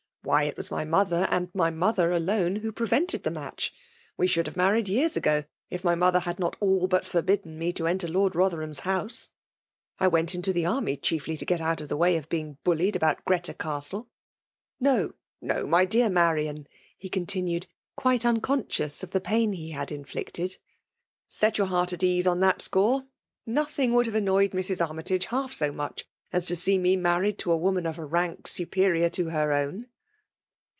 '^ Why, it was my mothei;, and my mother alone^ who prevented the match ! We should have married years ago, if my mother had not all hut forhidden me to enter Lord Botherham s house ! I went into tbeanny chiefly to get out of the way of being bullied about Greta Castle. No— no! my doMT Marian/' he continued^ quite unconscious of the pain he had inflicted, —" set your heart at ease on that score ! Nothing would have annoyed Mrs. Armytage half so much as to dee; me married to a woman of a rank superior to her own."